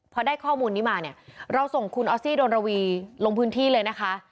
พอได้ข้อมูลนี้มาเนี่ยเราส่งคุณออสซี่ดนระวีลงพื้นที่เลยนะคะ